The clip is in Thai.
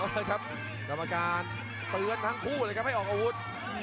ต้องมาการเตือนทั้งคู่เลยครับให้ออกอาวุธ